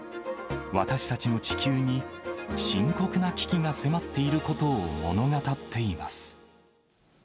私たちの地球に深刻な危機が迫っていることを物語っています。